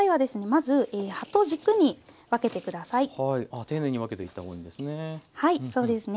あ丁寧に分けていった方がいいんですね。